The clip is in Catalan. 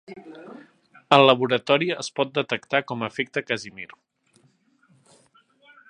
Al laboratori es pot detectar com a efecte Casimir.